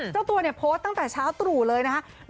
เจ้าตัวเนี่ยโพสต์ตั้งแต่เช้าตรู่เลยนะครับ